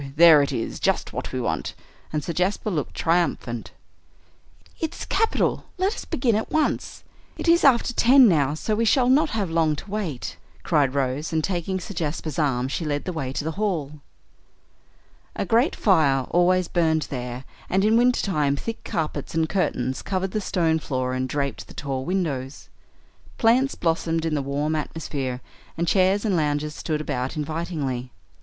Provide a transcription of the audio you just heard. There it is, just what we want." And Sir Jasper looked triumphant. "It's capital let us begin at once. It is after ten now, so we shall not have long to wait," cried Rose, and, taking Sir Jasper's arm, she led the way to the hall. A great fire always burned there, and in wintertime thick carpets and curtains covered the stone floor and draped the tall windows. Plants blossomed in the warm atmosphere, and chairs and lounges stood about invitingly.